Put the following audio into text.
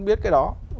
biết cái đó